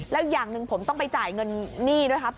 แล้วอย่างหนึ่งผมต้องไปจ่ายเงินหนี้ด้วยครับ